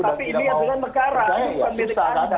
tapi ini yang dengan negara ini milik anda